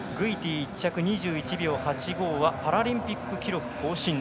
１着２１秒８５はパラリンピック記録更新。